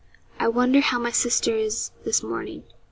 'I wonder how my sister is this morning.'